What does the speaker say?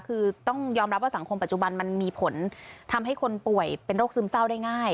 คือต้องยอมรับว่าสังคมปัจจุบันมันมีผลทำให้คนป่วยเป็นโรคซึมเศร้าได้ง่าย